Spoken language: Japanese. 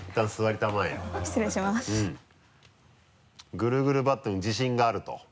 ぐるぐるバットに自信があると。